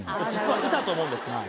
実はいたと思うんです。